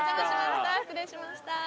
失礼しました。